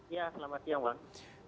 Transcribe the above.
ya selamat siang bang